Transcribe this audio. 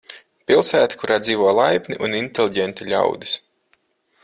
Pilsēta, kurā dzīvo laipni un inteliģenti ļaudis.